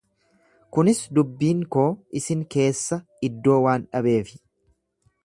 Kunis dubbiin koo isin keessa iddoo waan dhabeefi.